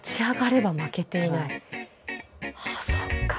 ああそっか。